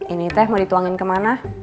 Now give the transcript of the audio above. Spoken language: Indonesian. ini teh mau dituangin kemana